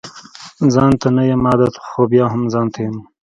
ځانته نه يم عادت خو بيا هم ځانته يم